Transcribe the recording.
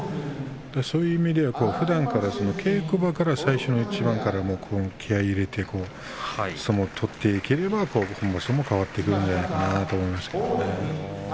そういう意味で、ふだんから稽古場から最初の一番から気合いを入れて相撲を取っていければ本場所も変わってくるんじゃないかなと思いましたけどね。